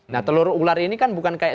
nah telur ular ini kan bukan kayak